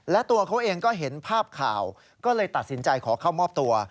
และตัวเขาเองก็เห็นภาพข่าวก็เลยตัดสินใจขอเข้ามอบตัว